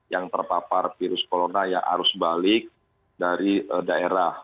yang terpapar virus corona yang harus balik dari daerah